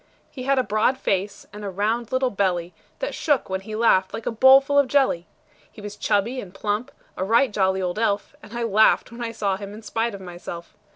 He had a broad face, and a little round belly That shook when he laughed, like a bowl full of jelly. He was chubby and plump a right jolly old elf; And I laughed when I saw him in spite of myself.